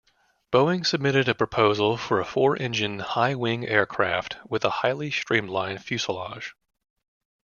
Boeing submitted a proposal for a four-engine, high-wing aircraft with a highly streamlined fuselage.